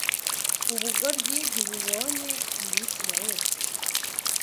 Ubugoryi ntibubonye mu Bisirayeli: